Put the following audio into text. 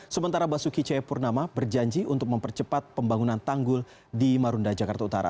sementara basuki cahayapurnama berjanji untuk mempercepat pembangunan tanggul di marunda jakarta utara